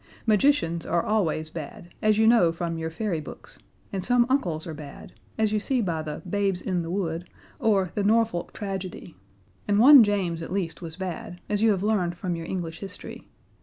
Magicians are always bad, as you know from your fairy books, and some uncles are bad, as you see by the Babes in the Wood, or the Norfolk Tragedy, and one James at least was bad, as you have learned from your English history.